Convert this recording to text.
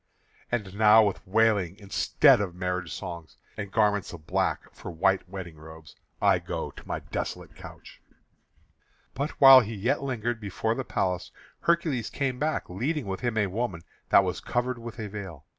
And now with wailing instead of marriage songs, and garments of black for white wedding robes, I go to my desolate couch." But while he yet lingered before the palace Hercules came back, leading with him a woman that was covered with a veil.